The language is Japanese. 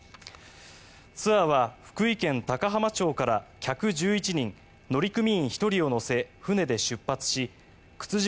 ツアーは福井県高浜町から客１１人、乗組員１人を乗せ船で出発し沓島